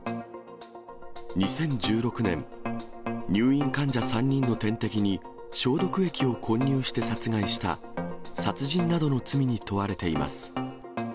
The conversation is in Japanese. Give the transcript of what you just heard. ２０１６年、入院患者３人の点滴に消毒液を混入して殺害した殺人などの罪に問われています。